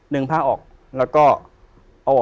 ดึงผ้าออกแล้วก็